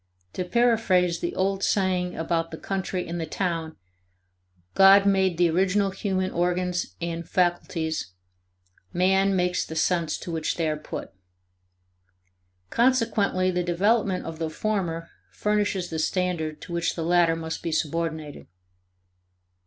To paraphrase the old saying about the country and the town, God made the original human organs and faculties, man makes the uses to which they are put. Consequently the development of the former furnishes the standard to which the latter must be subordinated.